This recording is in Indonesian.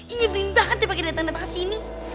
ingin berindah kan tiba tiba datang datang ke sini